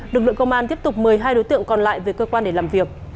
lực lượng công an tiếp tục mời hai đối tượng còn lại về cơ quan để làm việc